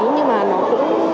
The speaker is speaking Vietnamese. nhưng mà nó cũng